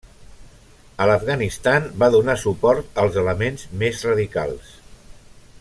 A l'Afganistan va donar suport als elements més radicals.